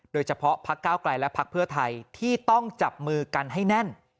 โดยเฉพาะพักก้าวกลายและพักเพื่อไทยที่ต้องจับมือกันให้แน่น